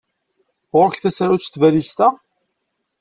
Ɣur-k tasarut n tbalizt-a?